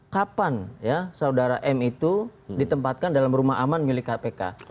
kapan ya saudara m itu ditempatkan dalam rumah aman milik kpk